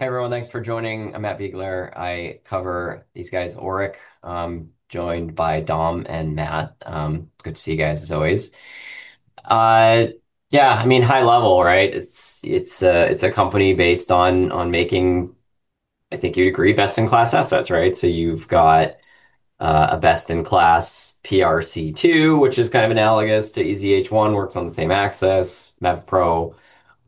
Hi, everyone. Thanks for joining. I'm Matt Biegler. I cover these guys, Oric, joined by Dom and Matt. Good to see you guys, as always. Yeah, I mean, high level, right? It's a company based on making, I think you'd agree, best-in-class assets, right? You've got a best-in-class PRC2, which is kind of analogous to EZH1, works on the same access.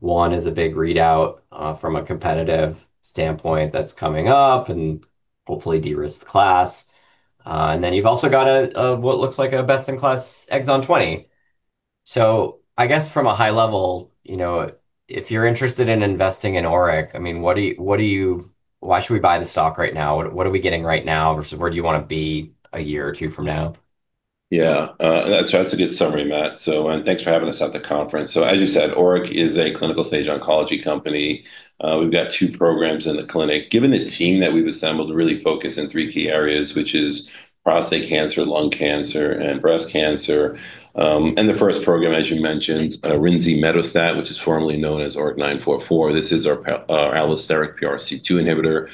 MEVPRO-1 is a big readout from a competitive standpoint that's coming up and hopefully de-risk the class. You've also got what looks like a best-in-class exon 20. I guess from a high level, you know, if you're interested in investing in Oric, I mean, what do you Why should we buy the stock right now? What are we getting right now, versus where do you want to be a year or two from now? Yeah, that's a good summary, Matt. And thanks for having us at the conference. As you said, Oric is a clinical stage oncology company. We've got two programs in the clinic. Given the team that we've assembled, we really focus in three key areas, which is prostate cancer, lung cancer, and breast cancer. And the first program, as you mentioned, rinzimetostat, which is formerly known as ORIC-944. This is our allosteric PRC2 inhibitor.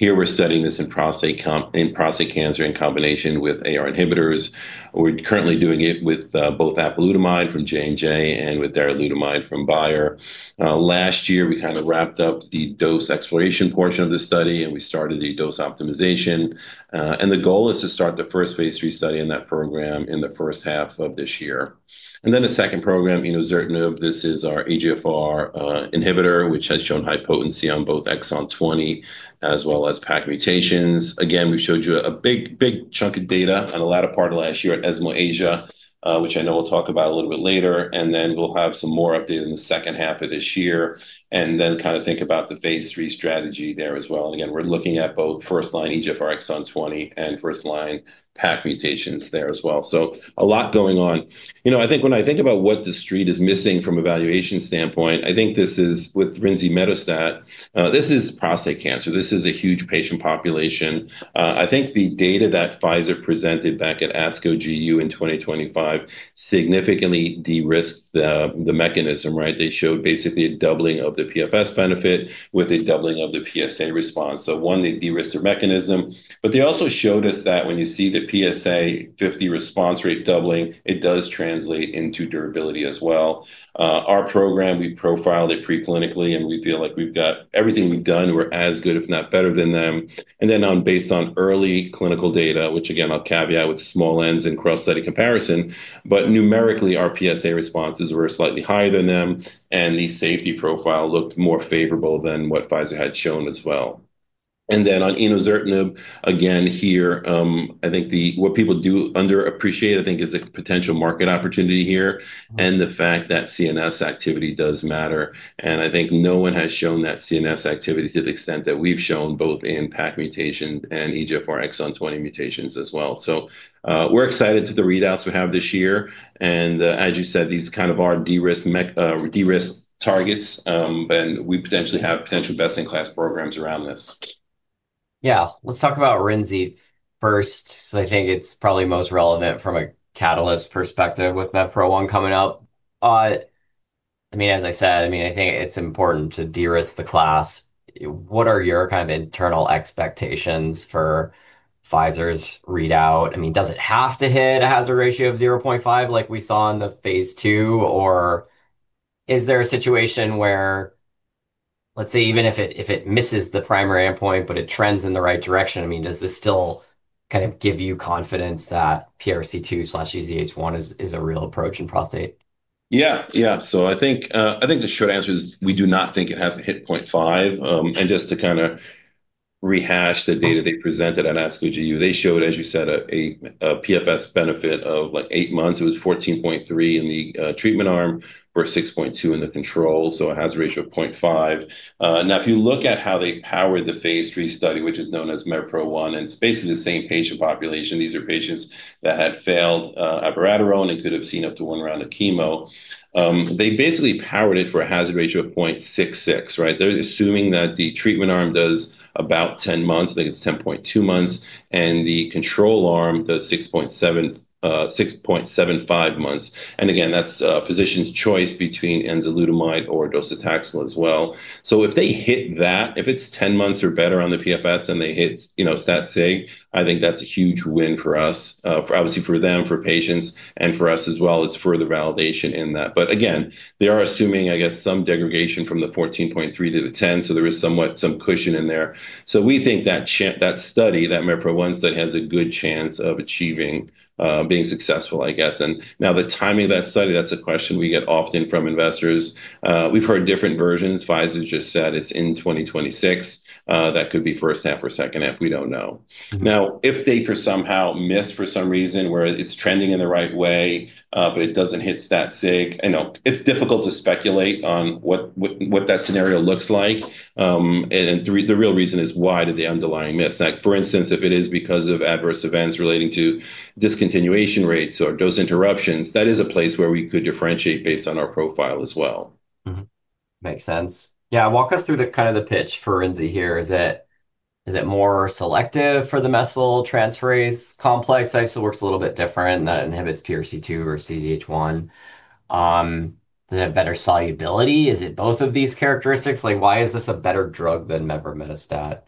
Here, we're studying this in prostate cancer in combination with AR inhibitors. We're currently doing it with both apalutamide from J&J and with darolutamide from Bayer. Last year, we kind of wrapped up the dose exploration portion of the study, and we started the dose optimization. The goal is to start the first phase III study in that program in the first half of this year. The second program, you know, enosertinib, this is our eGFR inhibitor, which has shown high potency on both exon 20 as well as PAK mutations. We've showed you a big, big chunk of data on the latter part of last year at ESMO Asia, which I know we'll talk about a little bit later. We'll have some more update in the second half of this year. Kind of think about the phase III strategy there as well. We're looking at both first-line eGFR exon 20 and first-line PAK mutations there as well. A lot going on. You know, I think when I think about what the street is missing from a valuation standpoint, I think this is with rinzimetostat, this is prostate cancer. This is a huge patient population. I think the data that Pfizer presented back at ASCO GU in 2025 significantly de-risked the mechanism, right? They showed basically a doubling of the PFS benefit with a doubling of the PSA response. One, they de-risked their mechanism, but they also showed us that when you see the PSA50 response rate doubling, it does translate into durability as well. Our program, we profiled it pre-clinically, and we feel like we've got everything we've done, we're as good, if not better than them. Based on early clinical data, which again, I'll caveat with small Ns and cross-study comparison, but numerically, our PSA responses were slightly higher than them, and the safety profile looked more favorable than what Pfizer had shown as well. enosertinib, again here, I think what people do underappreciate, I think, is the potential market opportunity here and the fact that CNS activity does matter, and I think no one has shown that CNS activity to the extent that we've shown, both in PAK mutation and eGFR exon 20 mutations as well. We're excited to the readouts we have this year, as you said, these kind of are de-risk targets, and we potentially have potential best-in-class programs around this. Yeah. Let's talk about rinzimetostat first. I think it's probably most relevant from a catalyst perspective with MEVPRO-1 coming up. I mean, as I said, I mean, I think it's important to de-risk the class. What are your kind of internal expectations for Pfizer's readout? I mean, does it have to hit a hazard ratio of 0.5, like we saw in the phase II, or is there a situation where, let's say, even if it misses the primary endpoint, but it trends in the right direction, I mean, does this still kind of give you confidence that PRC2/EZH1 is a real approach in prostate? Yeah. Yeah. I think the short answer is, we do not think it has to hit 0.5. Just to kind of rehash the data they presented at ASCO GU, they showed, as you said, a PFS benefit of, like, eight months. It was 14.3 in the treatment arm, for 6.2 in the control, so a hazard ratio of 0.5. If you look at how they powered the phase III study, which is known as MEVPRO-1, and it's basically the same patient population, these are patients that had failed abiraterone and could have seen up to one round of chemo. They basically powered it for a hazard ratio of 0.66, right? They're assuming that the treatment arm does about 10 months, I think it's 10.2 months, and the control arm does 6.7, 6.75 months. Again, that's physician's choice between enzalutamide or docetaxel as well. If they hit that, if it's 10 months or better on the PFS, and they hit, you know, stat sig, I think that's a huge win for us, obviously for them, for patients, and for us as well. It's further validation in that. Again, they are assuming, I guess, some degradation from the 14.3 to the 10, there is somewhat some cushion in there. We think that study, that MEVPRO-1 study, has a good chance of achieving, being successful, I guess. Now, the timing of that study, that's a question we get often from investors. We've heard different versions. Pfizer's just said it's in 2026. That could be first half or second half, we don't know. If they for somehow miss for some reason, where it's trending in the right way, but it doesn't hit stat sig, you know, it's difficult to speculate on what that scenario looks like. The real reason is why did the underlying miss? Like, for instance, if it is because of adverse events relating to discontinuation rates or dose interruptions, that is a place where we could differentiate based on our profile as well. Mm-hmm. Makes sense. Walk us through the kind of the pitch for Rinzi here. Is it more selective for the methyltransferase complex? ISO works a little bit different than inhibits PRC2 or EZH1. Does it have better solubility? Is it both of these characteristics? Like, why is this a better drug than mevrometostat?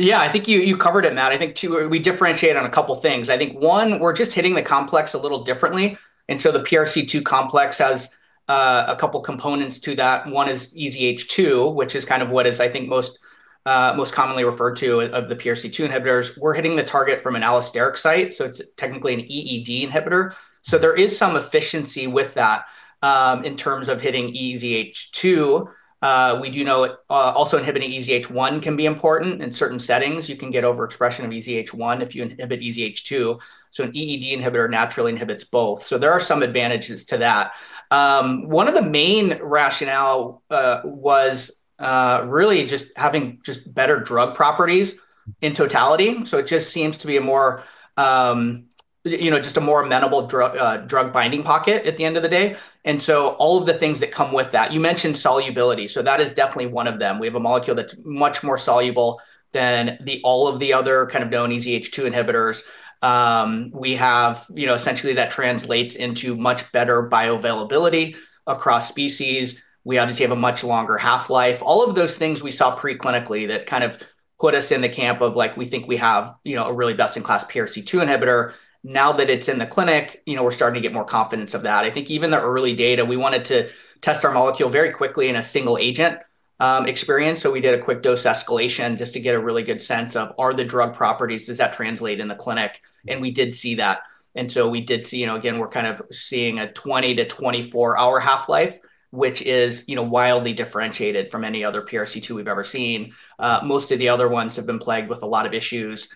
I think you covered it, Matt. I think we differentiate on a couple of things. I think, one, we're just hitting the complex a little differently, the PRC2 complex has a couple components to that. One is EZH2, which is kind of what is, I think, most commonly referred to of the PRC2 inhibitors. We're hitting the target from an allosteric site, it's technically an EED inhibitor, there is some efficiency with that in terms of hitting EZH2. We do know also inhibiting EZH1 can be important. In certain settings, you can get overexpression of EZH1 if you inhibit EZH2, an EED inhibitor naturally inhibits both. There are some advantages to that. One of the main rationale was really just having just better drug properties in totality, so it just seems to be a more, you know, just a more amenable drug binding pocket at the end of the day. All of the things that come with that. You mentioned solubility, that is definitely one of them. We have a molecule that's much more soluble than the all of the other kind of known EZH2 inhibitors. You know, essentially, that translates into much better bioavailability across species. We obviously have a much longer half-life. All of those things we saw pre-clinically that kind of put us in the camp of, like, we think we have, you know, a really best-in-class PRC2 inhibitor. Now that it's in the clinic, you know, we're starting to get more confidence of that. I think even the early data, we wanted to test our molecule very quickly in a single agent, experience. We did a quick dose escalation just to get a really good sense of: Are the drug properties, does that translate in the clinic? We did see that. We did see. You know, again, we're kind of seeing a 20-24-hour half-life, which is, you know, wildly differentiated from any other PRC2 we've ever seen. Most of the other ones have been plagued with a lot of issues,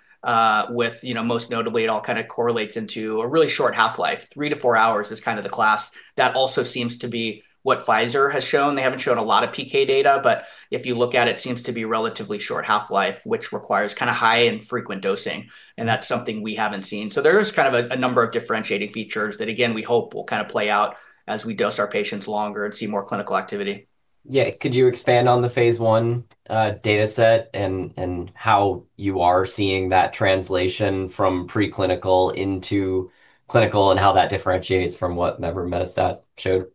with, you know, most notably, it all kind of correlates into a really short half-life. 3-4 hours is kind of the class. That also seems to be what Pfizer has shown. They haven't shown a lot of PK data, but if you look at it seems to be relatively short half-life, which requires kind of high and frequent dosing, and that's something we haven't seen. There is kind of a number of differentiating features that, again, we hope will kind of play out as we dose our patients longer and see more clinical activity. Yeah. Could you expand on the phase I data set and how you are seeing that translation from preclinical into clinical, and how that differentiates from what mevrometostat showed?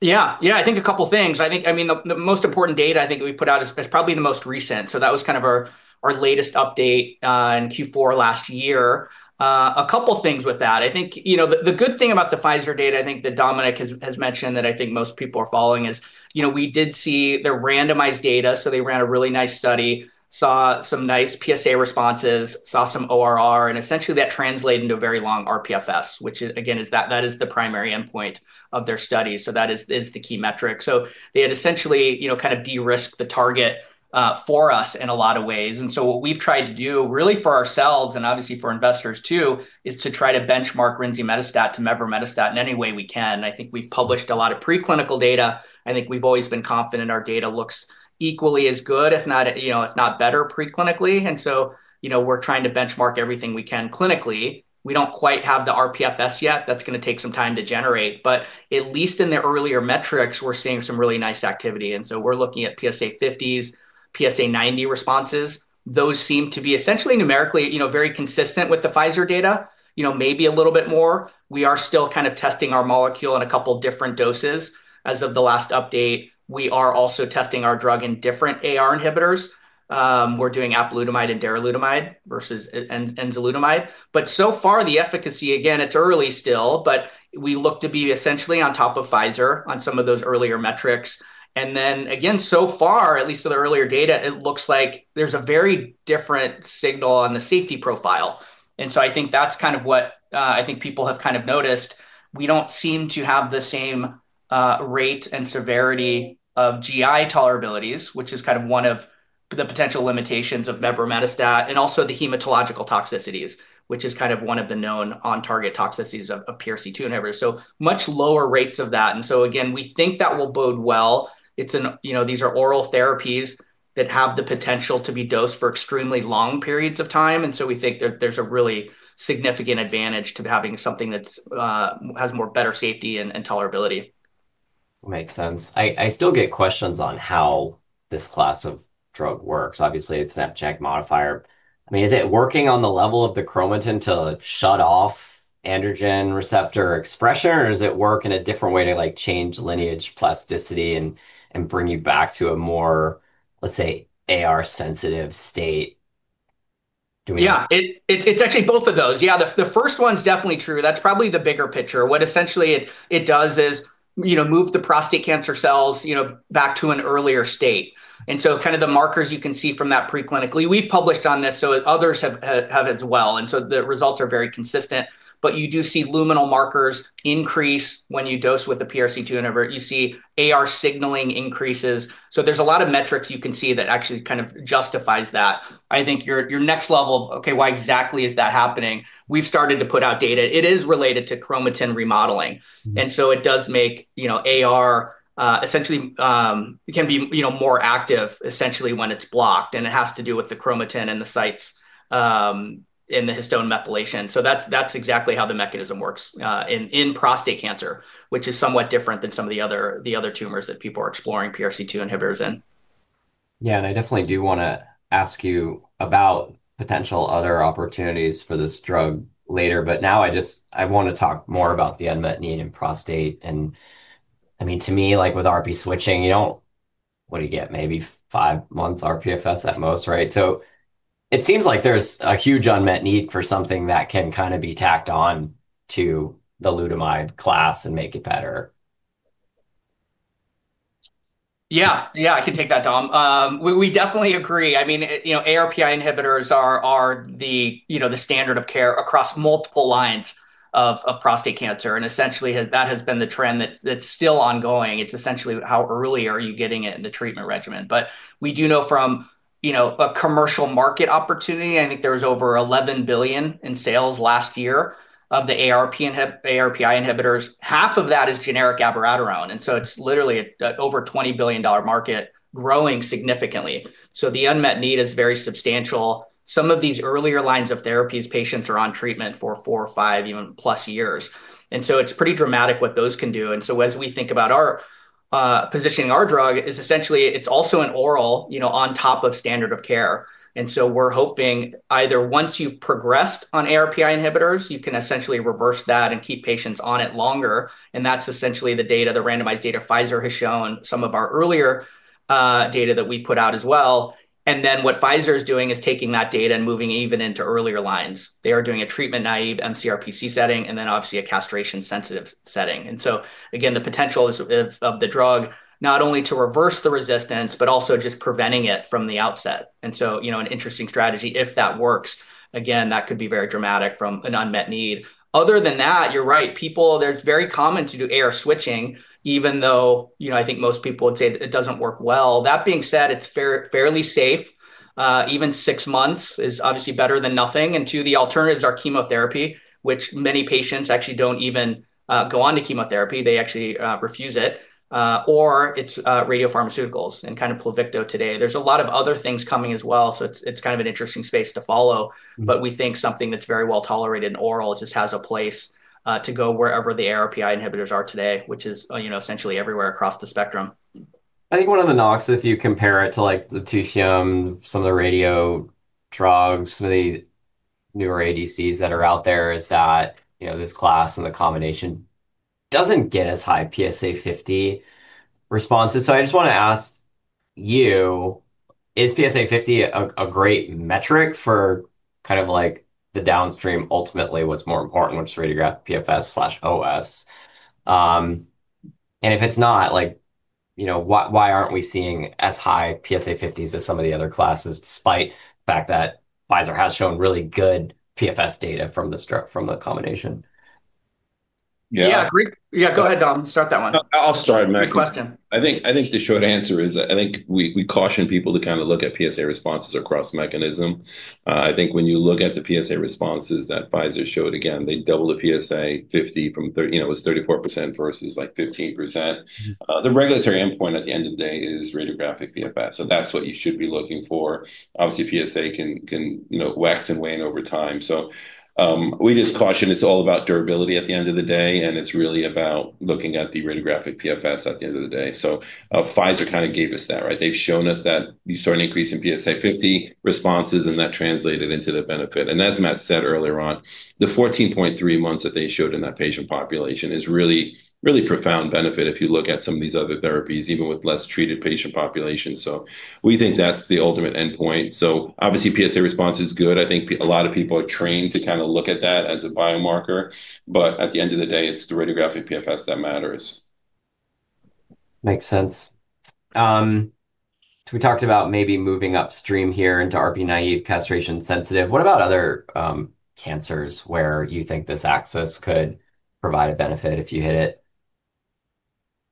Yeah. I think a couple of things. I mean, the most important data I think we put out is probably the most recent. That was kind of our latest update in Q4 last year. A couple of things with that. I think, you know, the good thing about the Pfizer data, I think that Dominic has mentioned that I think most people are following is, you know, we did see the randomized data, so they ran a really nice study, saw some nice PSA responses, saw some ORR, and essentially that translated into a very long RPFS, which is, again, that is the primary endpoint of their study, so that is the key metric. They had essentially, you know, kind of de-risked the target for us in a lot of ways. What we've tried to do, really for ourselves and obviously for investors too, is to try to benchmark rinzimetostat to mevrometostat in any way we can. I think we've published a lot of preclinical data. I think we've always been confident our data looks equally as good, if not, you know, if not better, preclinically, and so, you know, we're trying to benchmark everything we can clinically. We don't quite have the RPFS yet. That's gonna take some time to generate, but at least in the earlier metrics, we're seeing some really nice activity, and so we're looking at PSA50s, PSA90 responses. Those seem to be essentially numerically, you know, very consistent with the Pfizer data, you know, maybe a little bit more. We are still kind of testing our molecule in a couple different doses. As of the last update, we are also testing our drug in different AR inhibitors. We're doing apalutamide and darolutamide versus enzalutamide. So far, the efficacy, again, it's early still, but we look to be essentially on top of Pfizer on some of those earlier metrics. Again, so far, at least to the earlier data, it looks like there's a very different signal on the safety profile. I think that's kind of what I think people have kind of noticed. We don't seem to have the same rate and severity of GI tolerabilities, which is kind of one of the potential limitations of mevrometostat, and also the hematological toxicities, which is kind of one of the known on-target toxicities of PRC2 inhibitors. Much lower rates of that. Again, we think that will bode well. You know, these are oral therapies that have the potential to be dosed for extremely long periods of time, we think that there's a really significant advantage to having something that's has more better safety and tolerability. Makes sense. I still get questions on how this class of drug works. Obviously, it's an ATP-competitive JAK inhibitor. I mean, is it working on the level of the chromatin to shut off androgen receptor expression, or does it work in a different way to, like, change lineage plasticity and bring you back to a more, let's say, AR-sensitive state? Yeah. It's actually both of those. The first one is definitely true. That's probably the bigger picture. What essentially it does is, you know, move the prostate cancer cells, you know, back to an earlier state. Kind of the markers you can see from that preclinically. We've published on this, so others have as well, the results are very consistent. You do see luminal markers increase when you dose with a PRC2 inhibitor. You see AR signaling increases. There's a lot of metrics you can see that actually kind of justifies that. I think your next level of, "Okay, why exactly is that happening?" We've started to put out data. It is related to chromatin remodeling. Mm-hmm. It does make, you know, AR, essentially, it can be, you know, more active, essentially when it's blocked, and it has to do with the chromatin and the sites, in the histone methylation. That's exactly how the mechanism works, in prostate cancer, which is somewhat different than some of the other tumors that people are exploring PRC2 inhibitors in.... Yeah, I definitely do want to ask you about potential other opportunities for this drug later, but now I just, I want to talk more about the unmet need in prostate. I mean, to me, like with RP switching, what do you get? Maybe five months RPFS at most, right? It seems like there's a huge unmet need for something that can kind of be tacked on to the lutamide class and make it better. Yeah, I can take that, Dom. I mean, you know, ARPi inhibitors are the, you know, the standard of care across multiple lines of prostate cancer, that has been the trend that's still ongoing. It's essentially how early are you getting it in the treatment regimen? We do know from, you know, a commercial market opportunity, I think there was over $11 billion in sales last year of the ARPi inhibitors. Half of that is generic abiraterone, so it's literally a over $20 billion market growing significantly. The unmet need is very substantial. Some of these earlier lines of therapies, patients are on treatment for four or five even plus years, it's pretty dramatic what those can do. As we think about our positioning our drug, is essentially it's also an oral, you know, on top of standard of care. We're hoping either once you've progressed on ARPI inhibitors, you can essentially reverse that and keep patients on it longer, and that's essentially the data, the randomized data Pfizer has shown, some of our earlier data that we've put out as well. What Pfizer is doing is taking that data and moving even into earlier lines. They are doing a treatment-naive mCRPC setting, and then obviously a castration-sensitive setting. Again, the potential is of the drug, not only to reverse the resistance, but also just preventing it from the outset. You know, an interesting strategy, if that works, again, that could be very dramatic from an unmet need. Other than that, you're right. it's very common to do AR switching, even though, you know, I think most people would say it doesn't work well. That being said, it's fairly safe, even six months is obviously better than nothing, and 2, the alternatives are chemotherapy, which many patients actually don't even go on to chemotherapy. They actually refuse it, or it's radiopharmaceuticals and kind of Pluvicto today. There's a lot of other things coming as well. It's kind of an interesting space to follow. We think something that's very well tolerated in oral, it just has a place to go wherever the ARPi inhibitors are today, which is, you know, essentially everywhere across the spectrum. I think one of the knocks, if you compare it to, like, the lutetium, some of the radio drugs, some of the newer ADCs that are out there, is that, you know, this class and the combination doesn't get as high PSA50 responses. I just want to ask you, is PSA50 a great metric for kind of like the downstream? Ultimately, what's more important, which is radiographic PFS/OS. If it's not, like, you know, why aren't we seeing as high PSA50s as some of the other classes, despite the fact that Pfizer has shown really good PFS data from this drug, from the combination? Yeah. Yeah, great. Yeah, go ahead, Dom. Start that one. I'll start, Matt. Great question. I think the short answer is, I think we caution people to kind of look at PSA responses across mechanism. I think when you look at the PSA responses that Pfizer showed, again, they doubled the PSA50 from 30, you know, it was 34% versus, like, 15%. The regulatory endpoint at the end of the day is radiographic PFS, so that's what you should be looking for. Obviously, PSA can, you know, wax and wane over time. We just caution it's all about durability at the end of the day, and it's really about looking at the radiographic PFS at the end of the day. Pfizer kind of gave us that, right? They've shown us that you saw an increase in PSA50 responses, and that translated into the benefit. As Matt said earlier on, the 14.3 months that they showed in that patient population is really, really profound benefit if you look at some of these other therapies, even with less treated patient populations. We think that's the ultimate endpoint. Obviously, PSA response is good. I think a lot of people are trained to kind of look at that as a biomarker, but at the end of the day, it's the radiographic PFS that matters. Makes sense. We talked about maybe moving upstream here into RP naive, castration sensitive. What about other cancers where you think this access could provide a benefit if you hit it?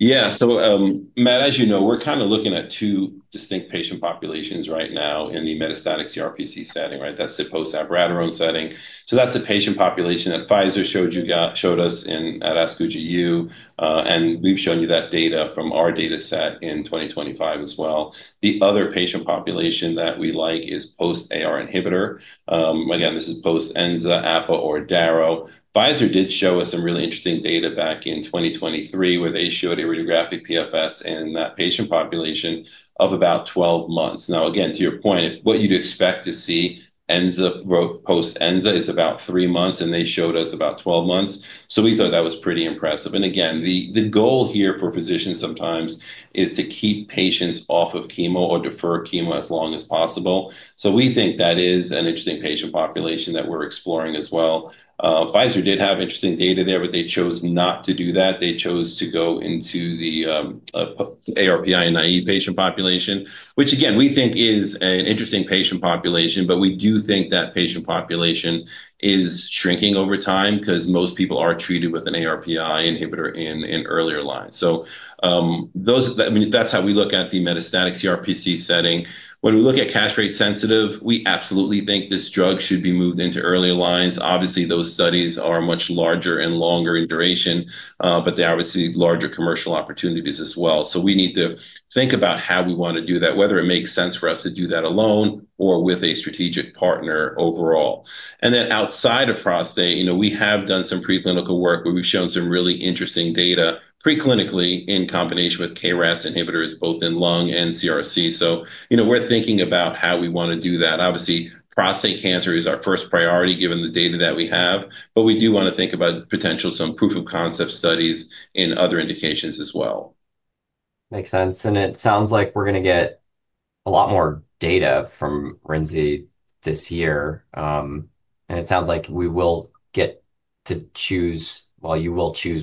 Matt, as you know, we're kind of looking at two distinct patient populations right now in the mCRPC setting, right? That's the post-abiraterone setting. That's the patient population that Pfizer showed us at ASCO GU, and we've shown you that data from our data set in 2025 as well. The other patient population that we like is post-ARPI. Again, this is post-enzalutamide, apalutamide or darolutamide. Pfizer did show us some really interesting data back in 2023, where they showed a radiographic PFS in that patient population of about 12 months. Again, to your point, what you'd expect to see enzalutamide, post-enzalutamide, is about three months, and they showed us about 12 months. We thought that was pretty impressive. Again, the goal here for physicians sometimes is to keep patients off of chemo or defer chemo as long as possible. We think that is an interesting patient population that we're exploring as well. Pfizer did have interesting data there, but they chose not to do that. They chose to go into the ARPi naive patient population, which again, we think is an interesting patient population, but we do think that patient population is shrinking over time, 'cause most people are treated with an ARPi inhibitor in earlier lines. I mean, that's how we look at the metastatic CRPC setting. When we look at castration-sensitive, we absolutely think this drug should be moved into earlier lines. Obviously, those studies are much larger and longer in duration, but they are obviously larger commercial opportunities as well. We need to think about how we want to do that, whether it makes sense for us to do that alone or with a strategic partner overall. Outside of prostate, you know, we have done some preclinical work where we've shown some really interesting data preclinically in combination with KRAS inhibitors, both in lung and CRC. You know, we're thinking about how we want to do that. Obviously, prostate cancer is our first priority, given the data that we have, but we do want to think about potential, some proof of concept studies in other indications as well. Makes sense. It sounds like we're going to get a lot more data from Renzi this year, and it sounds like you will choose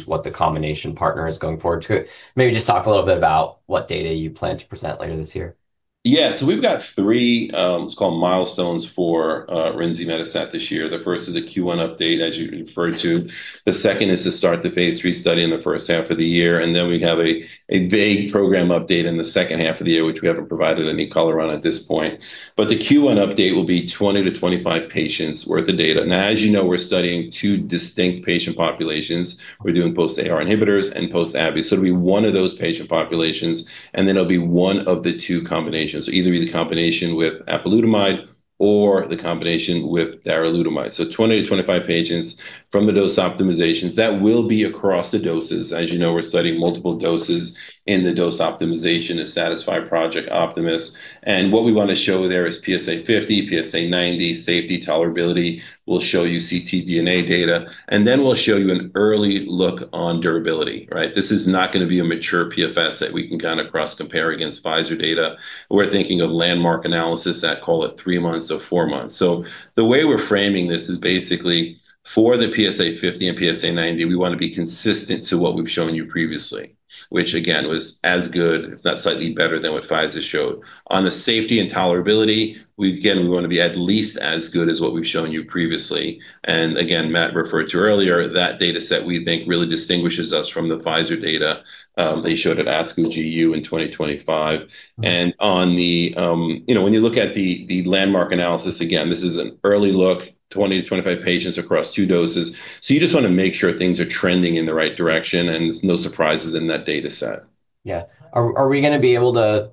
what the combination partner is going forward to. Maybe just talk a little bit about what data you plan to present later this year? We've got three what's called milestones for rinzimetostat this year. The first is a Q1 update, as you referred to. The second is to start the phase III study in the first half of the year, we have a vague program update in the second half of the year, which we haven't provided any color on at this point. The Q1 update will be 20-25 patients worth of data. As you know, we're studying two distinct patient populations. We're doing post-AR inhibitors and post-ABI. It'll be one of those patient populations, it'll be one of the two combinations, either be the combination with apalutamide or the combination with darolutamide. 20-25 patients from the dose optimizations. That will be across the doses. As you know, we're studying multiple doses in the dose optimization to satisfy Project Optimus. What we want to show there is PSA50, PSA90, safety, tolerability. We'll show you ctDNA data. Then we'll show you an early look on durability, right? This is not going to be a mature PFS that we can kind of cross-compare against Pfizer data. We're thinking of landmark analysis at, call it, three months or four months. The way we're framing this is basically for the PSA50 and PSA90, we want to be consistent to what we've shown you previously, which again, was as good, if not slightly better than what Pfizer showed. On the safety and tolerability, we again want to be at least as good as what we've shown you previously. Again, Matt referred to earlier, that data set we think really distinguishes us from the Pfizer data, they showed at ASCO GU in 2025. On the, you know, when you look at the landmark analysis, again, this is an early look, 20-25 patients across two doses. You just want to make sure things are trending in the right direction and there's no surprises in that data set. Yeah. Are we going to be able to,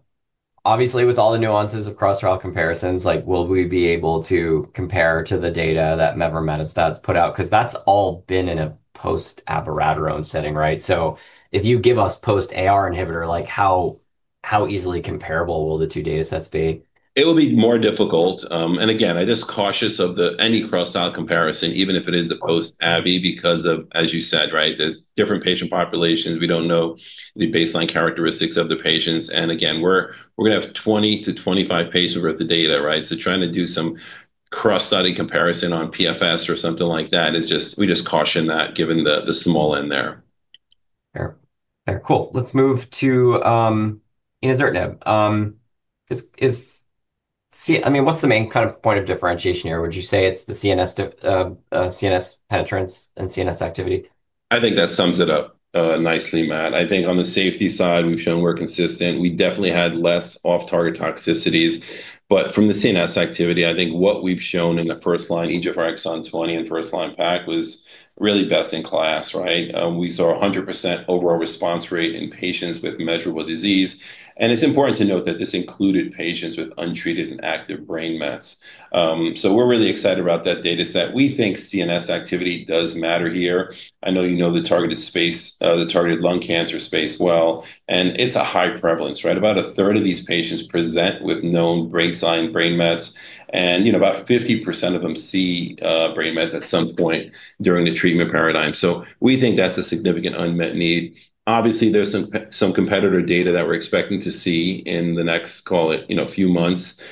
obviously, with all the nuances of cross-trial comparisons, like, will we be able to compare to the data that mevrometostat's put out? Because that's all been in a post-abiraterone setting, right? If you give us post-AR inhibitor, like how easily comparable will the two data sets be? It will be more difficult. again, I'm just cautious of the any cross-style comparison, even if it is a post-ABI, because of, as you said, right, there's different patient populations. We don't know the baseline characteristics of the patients, again, we're going to have 20-25 patients worth of data, right? Trying to do some cross-study comparison on PFS or something like that we just caution that given the small end there. Yeah. Okay, cool. Let's move to enozertinib. I mean, what's the main kind of point of differentiation here? Would you say it's the CNS penetrance and CNS activity? I think that sums it up nicely, Matt. I think on the safety side, we've shown we're consistent. We definitely had less off-target toxicities. From the CNS activity, I think what we've shown in the first-line eGFR exon 20 and first-line PAK was really best in class, right? We saw 100% overall response rate in patients with measurable disease, and it's important to note that this included patients with untreated and active brain mets. We're really excited about that data set. We think CNS activity does matter here. I know you know the targeted space, the targeted lung cancer space well, and it's a high prevalence, right? About a third of these patients present with known brain sign brain mets, and, you know, about 50% of them see brain mets at some point during the treatment paradigm. We think that's a significant unmet need. Obviously, there's some competitor data that we're expecting to see in the next, call it, you know, few months,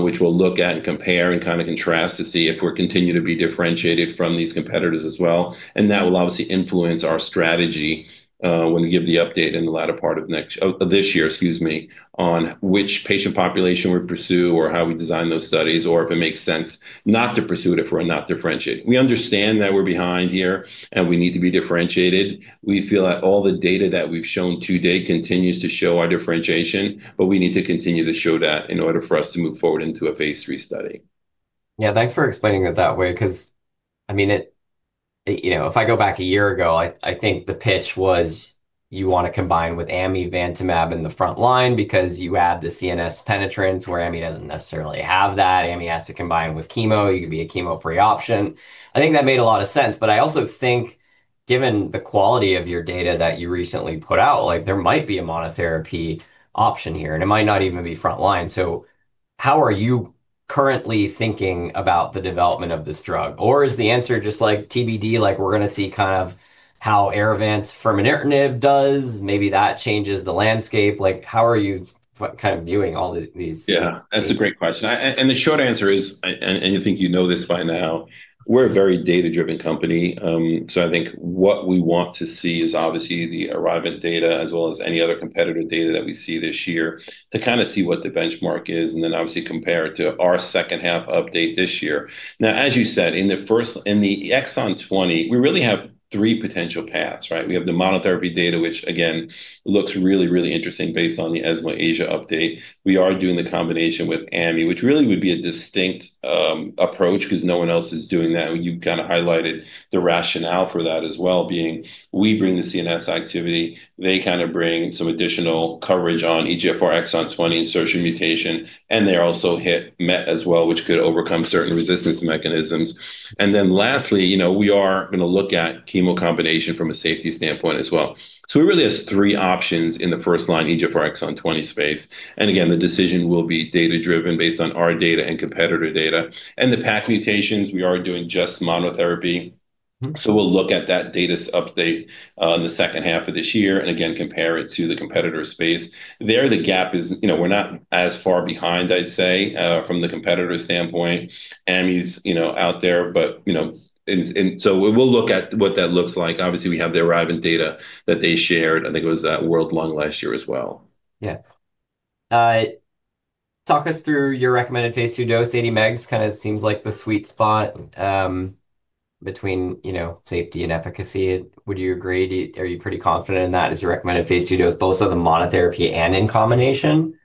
which we'll look at and compare and kind of contrast to see if we're continuing to be differentiated from these competitors as well. That will obviously influence our strategy when we give the update in the latter part of this year, excuse me, on which patient population we pursue or how we design those studies, or if it makes sense not to pursue it if we're not differentiated. We understand that we're behind here, and we need to be differentiated. We feel that all the data that we've shown today continues to show our differentiation, but we need to continue to show that in order for us to move forward into a phase III study. Yeah, thanks for explaining it that way, because, I mean, it, you know, if I go back a year ago, I think the pitch was you want to combine with amivantamab in the front line because you add the CNS penetrance, where ami doesn't necessarily have that. Ami has to combine with chemo. You could be a chemo-free option. I think that made a lot of sense, but I also think given the quality of your data that you recently put out, like there might be a monotherapy option here, and it might not even be front line. How are you currently thinking about the development of this drug? Is the answer just like TBD, like we're going to see kind of how ArriVent's furmonertinib does, maybe that changes the landscape? Like, how are you kind of viewing all the, these- Yeah, that's a great question. The short answer is, and I think you know this by now, we're a very data-driven company. I think what we want to see is obviously the ArriVent data, as well as any other competitor data that we see this year, to kind of see what the benchmark is, and then obviously compare it to our second half update this year. As you said, in the exon 20, we really have three potential paths, right? We have the monotherapy data, which again, looks really, really interesting based on the ESMO Asia update. We are doing the combination with amivantamab, which really would be a distinct approach because no one else is doing that, and you kind of highlighted the rationale for that as well, being we bring the CNS activity, they kind of bring some additional coverage on eGFR exon 20 insertion mutation, and they also hit MET as well, which could overcome certain resistance mechanisms. Lastly, you know, we are going to look at chemo combination from a safety standpoint as well. We really have three options in the first line, eGFR exon 20 space. Again, the decision will be data-driven based on our data and competitor data. The PAK mutations, we are doing just monotherapy. We'll look at that data's update in the second half of this year, and again, compare it to the competitor space. There, the gap is, you know, we're not as far behind, I'd say, from the competitor standpoint. Ammi's, you know, out there, but, you know, we'll look at what that looks like. Obviously, we have the ArriVent data that they shared. I think it was at World Lung last year as well. Yeah. talk us through your recommended phase II dose. 80 megs kind of seems like the sweet spot, between, you know, safety and efficacy. Would you agree? Are you pretty confident in that as your recommended phase II dose, both on the monotherapy and in combination?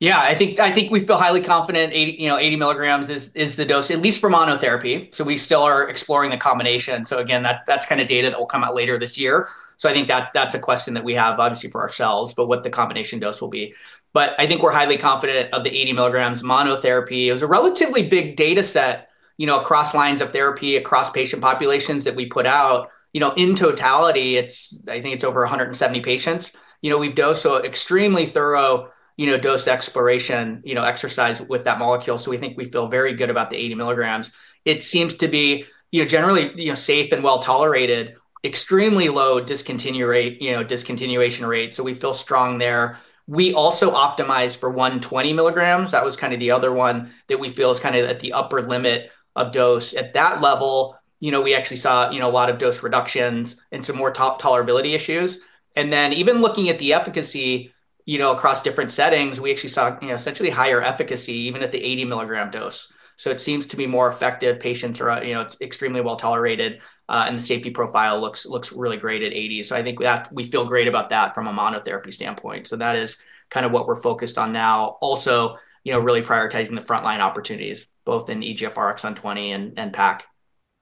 Yeah, I think we feel highly confident 80, you know, 80 mg is the dose, at least for monotherapy. We still are exploring the combination. Again, that's kind of data that will come out later this year. I think that's a question that we have, obviously, for ourselves, but what the combination dose will be. I think we're highly confident of the 80 mg monotherapy. It was a relatively big data set, you know, across lines of therapy, across patient populations that we put out. You know, in totality, I think it's over 170 patients. You know, we've dosed so extremely thorough, you know, dose exploration, you know, exercise with that molecule, so we think we feel very good about the 80 mg. It seems to be, you know, generally, you know, safe and well-tolerated, extremely low discontinuation rate. We feel strong there. We also optimized for 120 mg. That was kind of the other one that we feel is kind of at the upper limit of dose. At that level, you know, we actually saw, you know, a lot of dose reductions and some more top tolerability issues. Even looking at the efficacy, you know, across different settings, we actually saw, you know, essentially higher efficacy, even at the 80 mg dose. It seems to be more effective. Patients are, you know, extremely well-tolerated, and the safety profile looks really great at 80. I think that we feel great about that from a monotherapy standpoint. That is kind of what we're focused on now. you know, really prioritizing the frontline opportunities, both in eGFR exon 20 and PAK.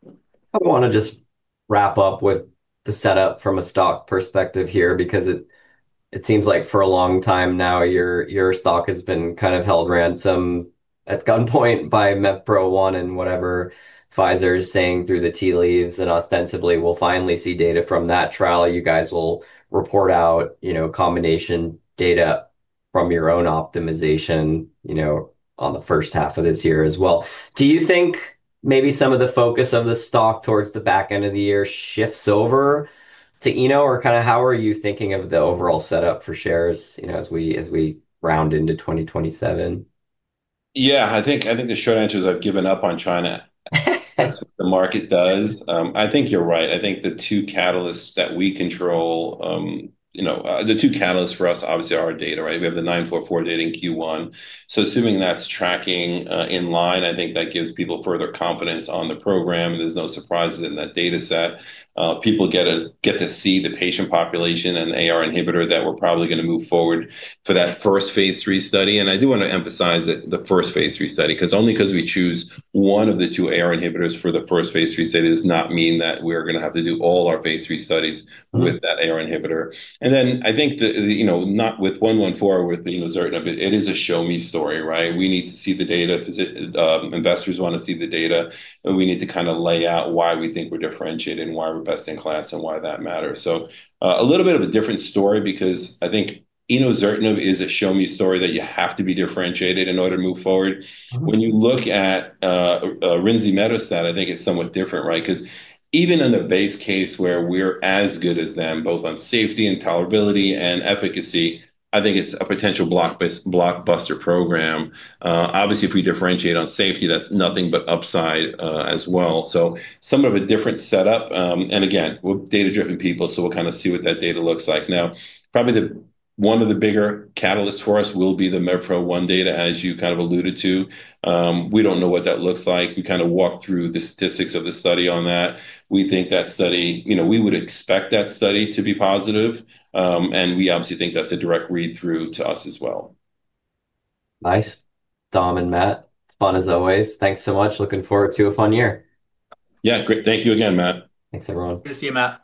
I want to just wrap up with the setup from a stock perspective here, because it seems like for a long time now, your stock has been kind of held ransom at gunpoint by MEVPRO-1 and whatever Pfizer is saying through the tea leaves, and ostensibly, we'll finally see data from that trial. You guys will report out, you know, combination data from your own optimization, you know, on the first half of this year as well. Do you think maybe some of the focus of the stock towards the back end of the year shifts over to Eno, or kind of how are you thinking of the overall setup for shares, you know, as we, as we round into 2027? Yeah, I think the short answer is I've given up on China as the market does. I think you're right. I think the two catalysts that we control, you know, the two catalysts for us, obviously, are our data, right? We have the ORIC-944 data in Q1. Assuming that's tracking in line, I think that gives people further confidence on the program, and there's no surprises in that data set. People get to see the patient population and AR inhibitor, that we're probably gonna move forward for that first phase III study. I do want to emphasize that the first phase III study, 'cause only 'cause we choose one of the two AR inhibitors for the first phase III study, does not mean that we're gonna have to do all our phase III studies with that AR inhibitor. I think the, you know, not with ORIC-114, with, you know, enozertinib, but it is a show me story, right? We need to see the data, investors want to see the data, and we need to kind of lay out why we think we're differentiated and why we're best in class and why that matters. A little bit of a different story because I think enozertinib is a show me story that you have to be differentiated in order to move forward. Mm-hmm. When you look at rinzimetostat, I think it's somewhat different, right? Even in the base case where we're as good as them, both on safety and tolerability and efficacy, I think it's a potential blockbuster program. Obviously, if we differentiate on safety, that's nothing but upside as well. Somewhat of a different setup. Again, we're data-driven people, we'll kind of see what that data looks like. Probably one of the bigger catalysts for us will be the MEVPRO-1 data, as you kind of alluded to. We don't know what that looks like. We kind of walked through the statistics of the study on that. We think, you know, we would expect that study to be positive, we obviously think that's a direct read-through to us as well. Nice. Dom and Matt, fun as always. Thanks so much. Looking forward to a fun year. Yeah, great. Thank you again, Matt. Thanks, everyone. Good to see you, Matt.